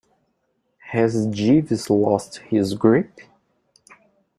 Has Jeeves lost his grip?